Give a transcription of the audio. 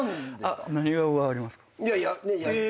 何顔がありますか？